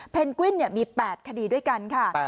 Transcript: กวินมี๘คดีด้วยกันค่ะ